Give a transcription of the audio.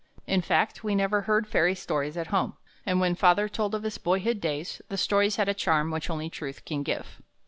In fact, we never heard fairy stories at home; and when father told of his boyhood days, the stories had a charm which only truth can give.